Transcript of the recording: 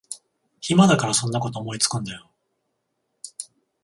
暇だからそんなこと思いつくんだよ